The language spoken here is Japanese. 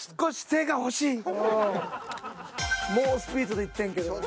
猛スピードで行ってんけどな。